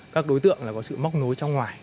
các đối tượng là có sự móc nối trong ngoài